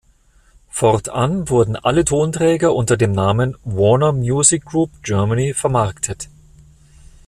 Fortan wurden alle Tonträger unter dem Namen "Warner Music Group Germany" vermarktet.